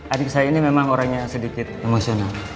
adik saya ini memang orangnya sedikit emosional